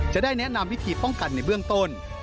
จะได้แนะนำวิธีป้องกันในเบื้องต้น